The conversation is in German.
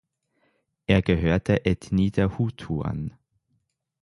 Er gehört der Ethnie der Hutu an.